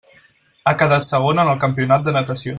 Ha quedat segona en el campionat de natació.